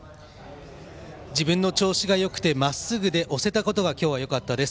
自分の調子がよくてまっすぐで押せたことが大きかったです。